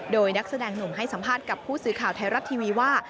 โดยนักแสดงหนุ่มให้สัมภาษณ์กับผู้สื่อข่าวไทยรัฐทีวีว่า